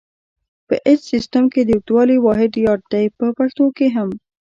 په ایچ سیسټم کې د اوږدوالي واحد یارډ دی په پښتو کې هم.